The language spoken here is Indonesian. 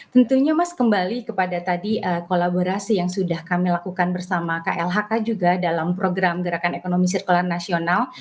tentunya mas kembali kepada tadi kolaborasi yang sudah kami lakukan bersama klhk juga dalam program gerakan ekonomi sirkular nasional